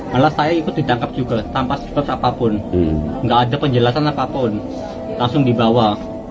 malah saya ikut ditangkap juga tanpa sebab apapun nggak ada penjelasan apapun langsung dibawa